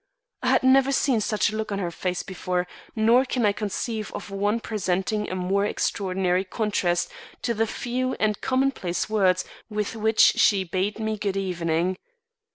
I had never seen such a look on her face before, nor can I conceive of one presenting a more extraordinary contrast to the few and commonplace words with which she bade me good evening.